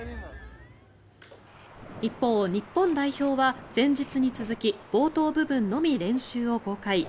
一方、日本代表は前日に続き冒頭部分のみ練習を公開。